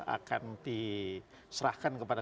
akan diserahkan kepada